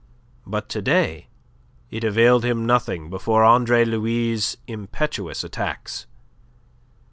But to day it availed him nothing before Andre Louis' impetuous attacks.